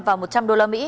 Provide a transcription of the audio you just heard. và một trăm linh đô la mỹ